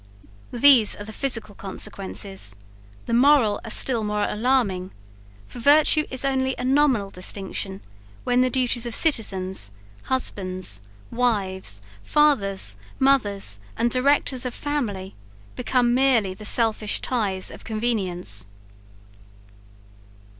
These are the physical consequences, the moral are still more alarming; for virtue is only a nominal distinction when the duties of citizens, husbands, wives, fathers, mothers, and directors of families, become merely the selfish ties of convenience.